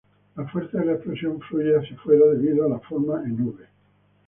La fuerza de la explosión fluye hacia afuera debido a la forma en "V".